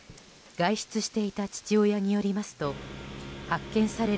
外出していた父親によりますと発見される